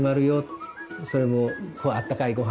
それも「あったかいごはんだよ」とか。